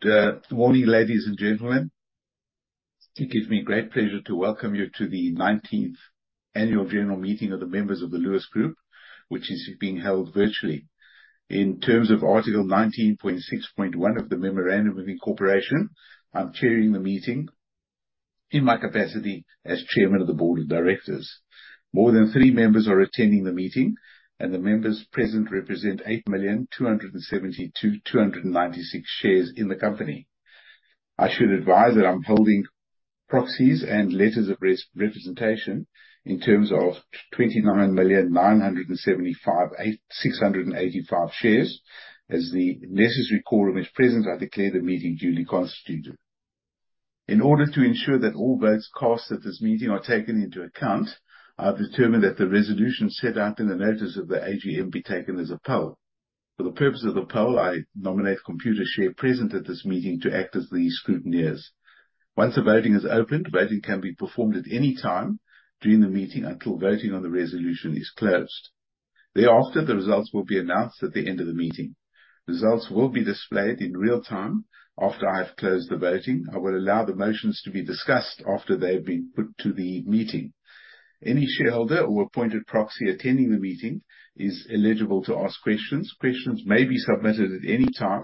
Good morning, ladies and gentlemen. It gives me great pleasure to welcome you to the 19th Annual General Meeting of the members of the Lewis Group, which is being held virtually. In terms of Article 19.6.1 of the Memorandum of Incorporation, I'm chairing the meeting in my capacity as chairman of the board of directors. More than three members are attending the meeting, and the members present represent 8,272,296 shares in the company. I should advise that I'm holding proxies and letters of representation in terms of 29,975,865 shares. As the necessary quorum is present, I declare the meeting duly constituted. In order to ensure that all votes cast at this meeting are taken into account, I have determined that the resolution set out in the notice of the AGM be taken as a poll. For the purpose of the poll, I nominate Computershare present at this meeting to act as the scrutineers. Once the voting is opened, voting can be performed at any time during the meeting until voting on the resolution is closed. Thereafter, the results will be announced at the end of the meeting. Results will be displayed in real time after I've closed the voting. I will allow the motions to be discussed after they've been put to the meeting. Any shareholder or appointed proxy attending the meeting is eligible to ask questions. Questions may be submitted at any time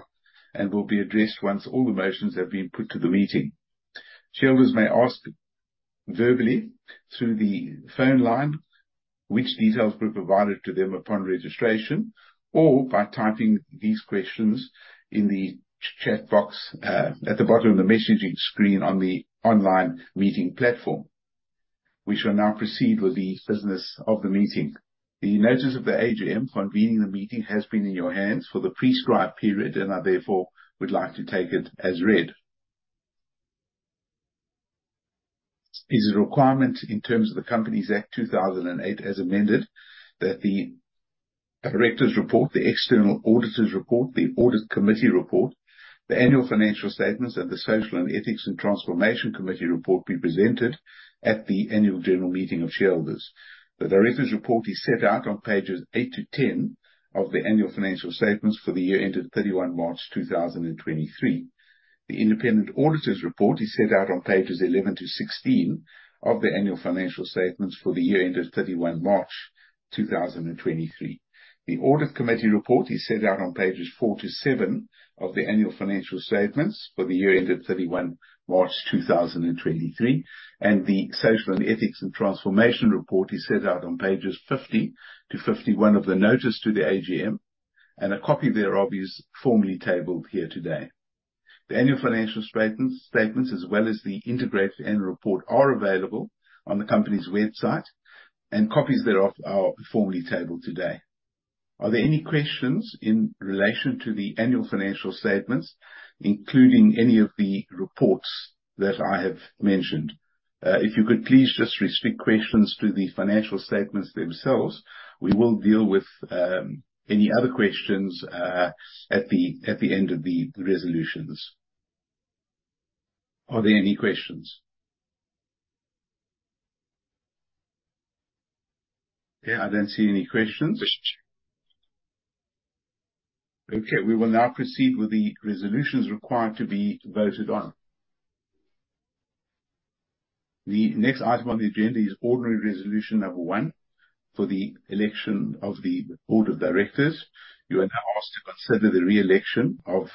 and will be addressed once all the motions have been put to the meeting. Shareholders may ask verbally through the phone line, which details were provided to them upon registration, or by typing these questions in the chat box at the bottom of the messaging screen on the online meeting platform. We shall now proceed with the business of the meeting. The notice of the AGM convening the meeting has been in your hands for the prescribed period, and I therefore would like to take it as read. It is a requirement in terms of the Companies Act 2008, as amended, that the directors' report, the external auditors' report, the Audit Committee report, the annual financial statements, and the Social and Ethics and Transformation Committee report be presented at the annual general meeting of shareholders. The directors' report is set out on pages 8-10 of the annual financial statements for the year ended 31 March 2023. The independent auditors' report is set out on pages 11-16 of the annual financial statements for the year ended 31 March 2023. The Audit Committee report is set out on pages four to seven of the annual financial statements for the year ended 31 March 2023, and the Social and Ethics and Transformation report is set out on pages 50-51 of the notice to the AGM, and a copy thereof is formally tabled here today. The annual financial statements, statements as well as the integrated annual report, are available on the company's website, and copies thereof are formally tabled today. Are there any questions in relation to the annual financial statements, including any of the reports that I have mentioned? If you could please just restrict questions to the financial statements themselves, we will deal with any other questions at the end of the resolutions. Are there any questions? Okay, I don't see any questions. Okay, we will now proceed with the resolutions required to be voted on. The next item on the agenda Ordinary Resolution Number 1, for the election of the board of directors. You are now asked to consider the re-election of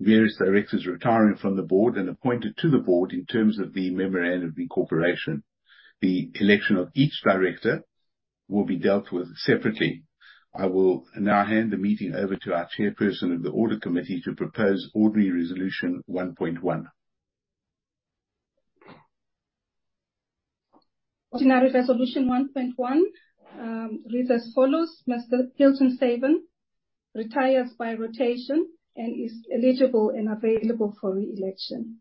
various directors retiring from the board and appointed to the board in terms of the Memorandum of Incorporation. The election of each director will be dealt with separately. I will now hand the meeting over to our Chairperson of the Audit Committee to propose Ordinary Resolution 1.1. Ordinary resolution 1.1 reads as follows: Mr. Hilton Saven retires by rotation and is eligible and available for re-election.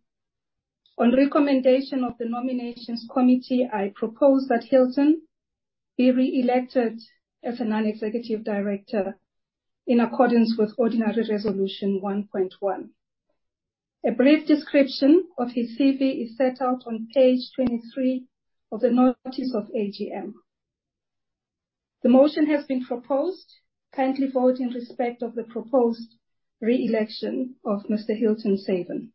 On recommendation of the Nominations Committee, I propose that Hilton be re-elected as a non-executive director in accordance with Ordinary Resolution 1.1. A brief description of his CV is set out on page 23 of the notice of AGM. The motion has been proposed. Kindly vote in respect of the proposed re-election of Mr. Hilton Saven.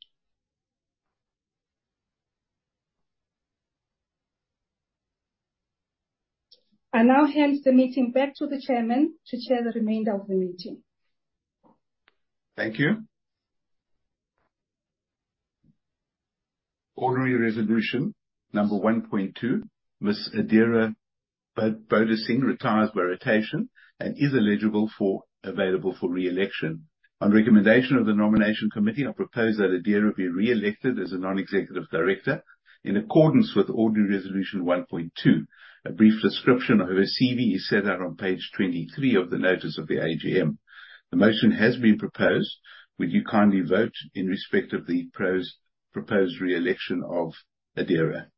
I now hand the meeting back to the chairman to chair the remainder of the meeting. Thank you. Ordinary resolution number 1.2. Ms. Adheera Bodasing retires by rotation and is eligible for and available for re-election. On recommendation of the Nomination Committee, I propose that Adheera be re-elected as a non-executive director in accordance with Ordinary Resolution 1.2. A brief description of her CV is set out on page 23 of the notice of the AGM. The motion has been proposed. Would you kindly vote in respect of the proposed re-election of Adheera?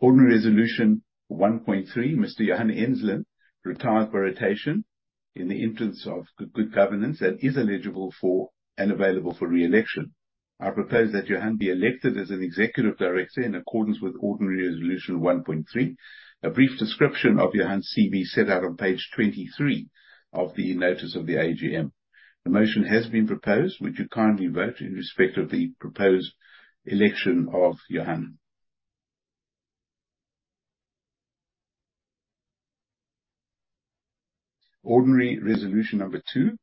Ordinary resolution 1.3. Mr. Johan Enslin retires by rotation in the interest of good governance and is eligible for and available for re-election. I propose that Johan be elected as an executive director in accordance with Ordinary Resolution 1.3. A brief description of Johan's CV is set out on page 23 of the notice of the AGM. The motion has been proposed. Would you kindly vote in respect of the proposed election of Johan? Ordinary resolution number two.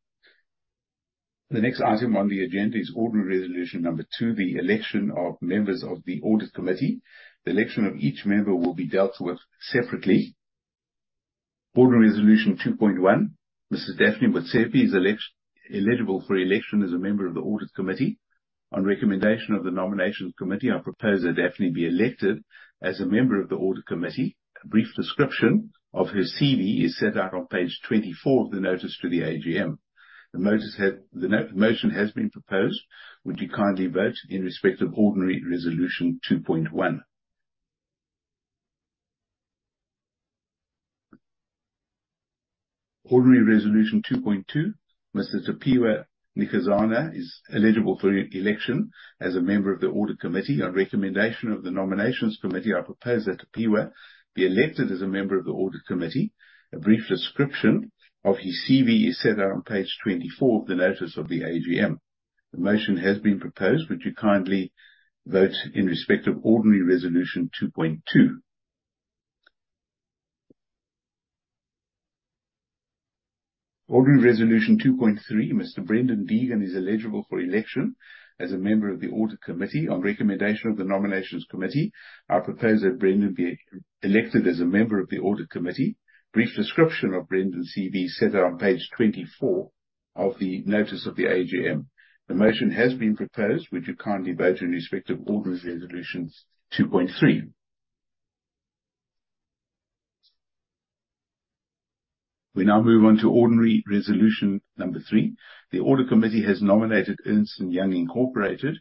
The next item on the agenda is Ordinary Resolution Number 2, the election of members of the audit committee. The election of each member will be dealt with separately. Ordinary resolution 2.1. Mrs. Daphne Motsepe is eligible for election as a member of the audit committee. On recommendation of the nominations committee, I propose that Daphne be elected as a member of the audit committee. A brief description of her CV is set out on page 24 of the notice to the AGM. The motion has been proposed. Would you kindly vote in respect of Ordinary Resolution 2.1. Ordinary resolution 2.2. Mr. Tapiwa Njikizana is eligible for election as a member of the audit committee. On recommendation of the nominations committee, I propose that Tapiwa be elected as a member of the audit committee. A brief description of his CV is set out on page 24 of the notice of the AGM. The motion has been proposed. Would you kindly vote in respect of Ordinary Resolution 2.2. Ordinary resolution 2.3. Mr. Brendan Deegan is eligible for election as a member of the audit committee. On recommendation of the nominations committee, I propose that Brendan be elected as a member of the audit committee. Brief description of Brendan's CV is set out on page 24 of the notice of the AGM. The motion has been proposed. Would you kindly vote in respect of Ordinary Resolutions 2.3. We now move on to Ordinary Resolution Number 3. The audit committee has nominated Ernst & Young Inc.,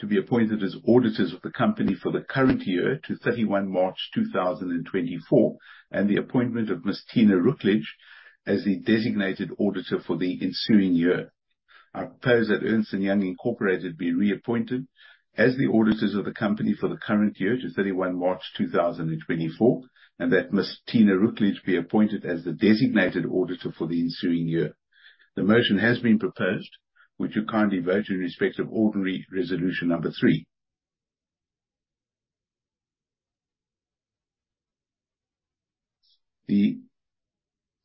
to be appointed as auditors of the company for the current year to 31 March 2024, and the appointment of Ms. Tina Rutledge as the designated auditor for the ensuing year. I propose that Ernst & Young Inc. be reappointed as the auditors of the company for the current year to 31 March 2024, and that Ms. Tina Rutledge be appointed as the designated auditor for the ensuing year. The motion has been proposed. Would you kindly vote in respect of Ordinary Resolution Number 3? The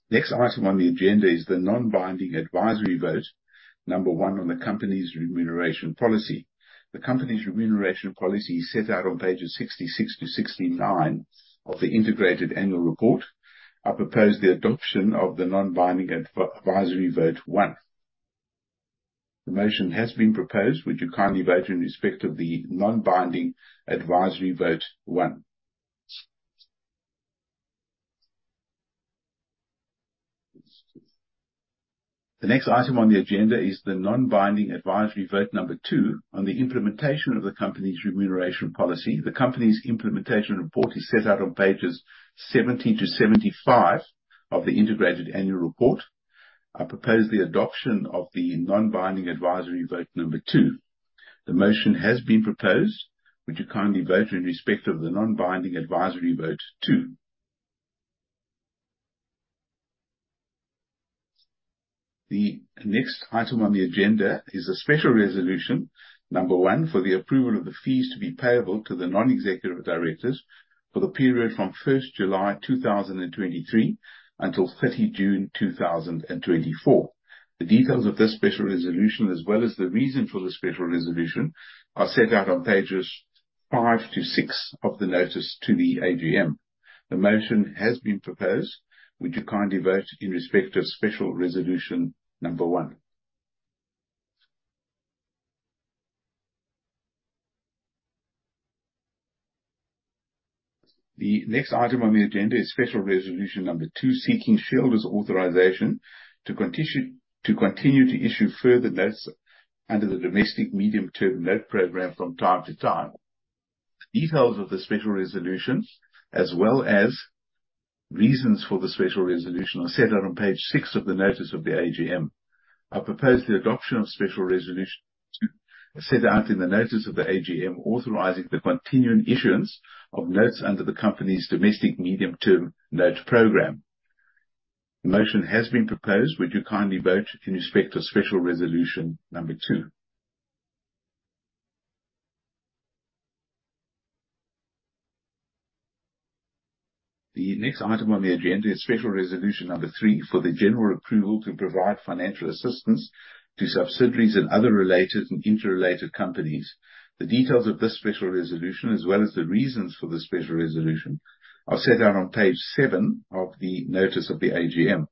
next item on the agenda is the non-binding advisory vote number one on the company's remuneration policy. The company's remuneration policy is set out on pages 66-69 of the integrated annual report. I propose the adoption of the non-binding advisory vote one. The motion has been proposed. Would you kindly vote in respect of the non-binding advisory vote 1? The next item on the agenda is the non-binding advisory vote number two on the implementation of the company's remuneration policy. The company's implementation report is set out on pages 70-75 of the integrated annual report. I propose the adoption of the non-binding advisory vote number two. The motion has been proposed. Would you kindly vote in respect of the non-binding advisory vote two? The next item on the agenda is a special resolution number one for the approval of the fees to be payable to the non-executive directors for the period from July 1, 2023 until June 30, 2024. The details of this special resolution, as well as the reason for this special resolution, are set out on pages five to six of the notice to the AGM. The motion has been proposed. Would you kindly vote in respect of special resolution number 1? The next item on the agenda is special resolution number two, seeking shareholders' authorization to continue to issue further notes under the Domestic Medium-Term Note Programme from time to time. Details of the special resolutions, as well as reasons for the special resolution, are set out on page six of the notice of the AGM. I propose the adoption of special resolution set out in the notice of the AGM, authorizing the continuing issuance of notes under the company's Domestic Medium-Term Note Programme. The motion has been proposed. Would you kindly vote in respect of Special Resolution Number 2? The next item on the agenda is Special Resolution Number 3, for the general approval to provide financial assistance to subsidiaries and other related and interrelated companies. The details of this special resolution, as well as the reasons for the special resolution, are set out on page seven of the notice of the AGM.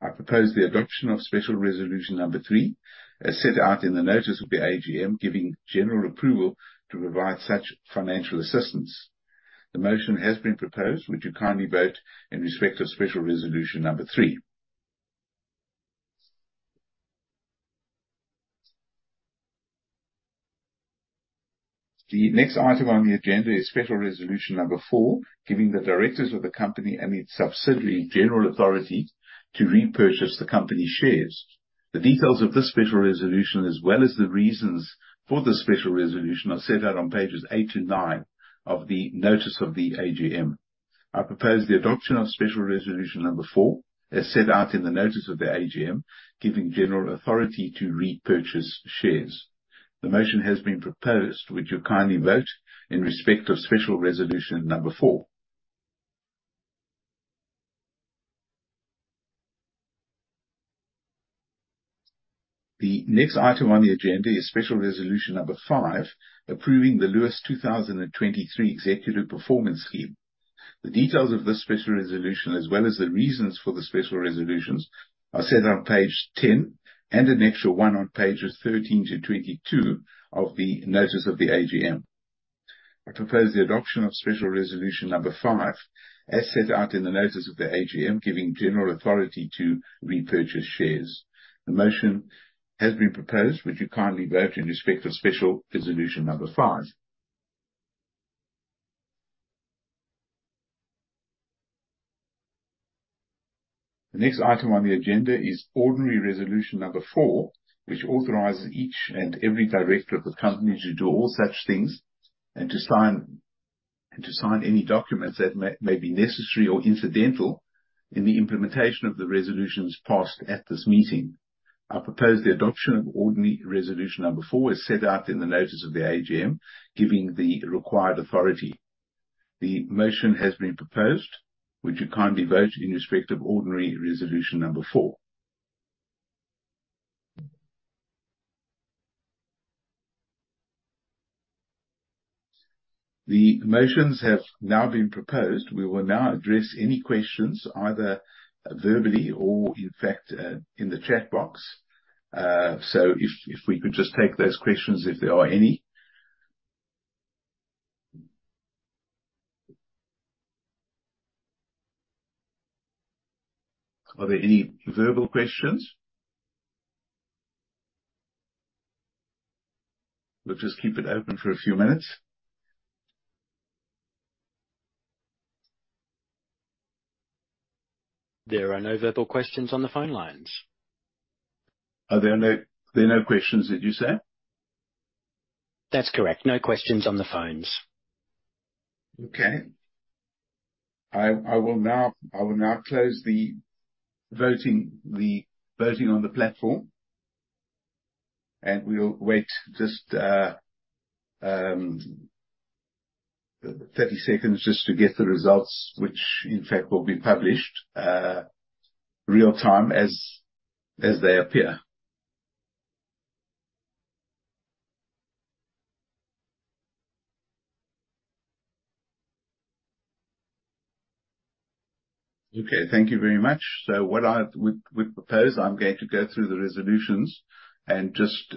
I propose the adoption of Special Resolution Number 3, as set out in the notice of the AGM, giving general approval to provide such financial assistance. The motion has been proposed. Would you kindly vote in respect of Special Resolution Number 3?... The next item on the agenda is Special Resolution Number four: giving the directors of the company and its subsidiary general authority to repurchase the company's shares. The details of this special resolution, as well as the reasons for the special resolution, are set out on pages eight and nine of the notice of the AGM. I propose the adoption of Special Resolution Number 4, as set out in the notice of the AGM, giving general authority to repurchase shares. The motion has been proposed. Would you kindly vote in respect of Special Resolution Number 4? The next item on the agenda is Special Resolution Number 5: approving the Lewis 2023 Executive Performance Scheme. The details of this special resolution, as well as the reasons for the special resolutions, are set on page 10 and an extra one on pages 13 to 22 of the notice of the AGM. I propose the adoption of Special Resolution Number 5, as set out in the notice of the AGM, giving general authority to repurchase shares. The motion has been proposed. Would you kindly vote in respect of Special Resolution Number Five? The next item on the agenda is Ordinary Resolution Number Four, which authorizes each and every director of the company to do all such things and to sign, and to sign any documents that may, may be necessary or incidental in the implementation of the resolutions passed at this meeting. I propose the adoption of Ordinary Resolution Number Four, as set out in the notice of the AGM, giving the required authority. The motion has been proposed. Would you kindly vote in respect of Ordinary Resolution Number Four? The motions have now been proposed. We will now address any questions, either verbally or, in fact, in the chat box. If we could just take those questions, if there are any. Are there any verbal questions? We'll just keep it open for a few minutes. There are no verbal questions on the phone lines. Are there no— There are no questions, did you say? That's correct. No questions on the phones. Okay. I will now close the voting on the platform, and we'll wait just 30 seconds just to get the results, which, in fact, will be published real time, as they appear. Okay, thank you very much. So what I would propose, I'm going to go through the resolutions and just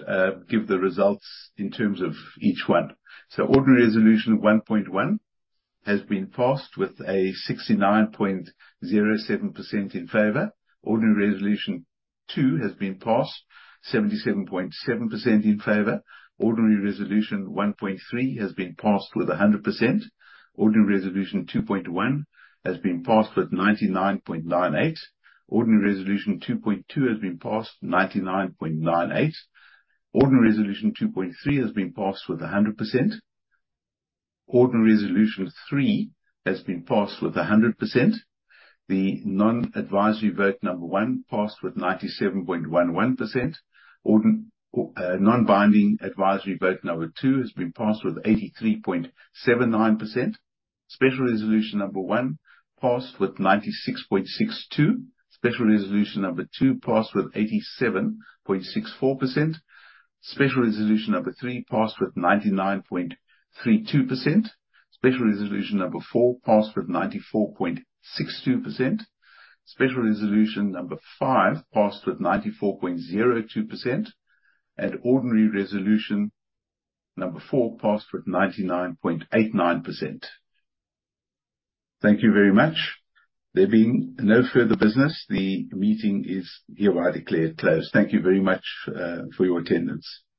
give the results in terms of each one. So Ordinary Resolution 1.1 has been passed with a 69.07% in favor. Ordinary Resolution 2 has been passed, 77.7% in favor. Ordinary Resolution 1.3 has been passed with a 100%. Ordinary Resolution 2.1 has been passed with 99.98%. Ordinary Resolution 2.2 has been passed, 99.98%. Ordinary Resolution 2.3 has been passed with 100%. Ordinary Resolution 3 has been passed with 100%. The Non-Advisory Vote Number 1 passed with 97.11%. Non-Binding Advisory Vote Number 2 has been passed with 83.79%. Special Resolution Number 1 passed with 96.62%. Special Resolution Number 2 passed with 87.64%. Special Resolution Number 3 passed with 99.32%. Special Resolution Number 4 passed with 94.62%. Special Resolution Number 5 passed with 94.02%. And Ordinary Resolution Number 4 passed with 99.89%. Thank you very much. There being no further business, the meeting is hereby declared closed. Thank you very much, for your attendance.